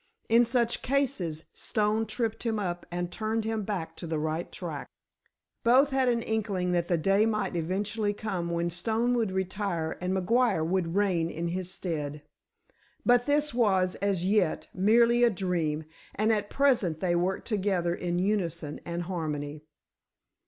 In such cases Stone tripped him up and turned him back to the right track. Both had an inkling that the day might eventually come when Stone would retire and McGuire would reign in his stead. But this was, as yet, merely a dream, and at present they worked together in unison and harmony.